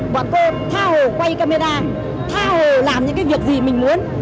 bọn cô tha hồ quay camera tha hồ làm những việc gì mình muốn